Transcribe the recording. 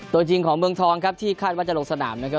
ตัวจริงของเมืองทองครับที่คาดว่าจะลงสนามนะครับ